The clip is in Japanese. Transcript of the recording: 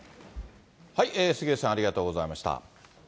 杉上さん、ありがとうございました。